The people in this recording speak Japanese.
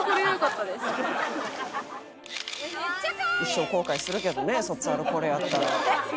「一生後悔するけどね卒アルこれやったら」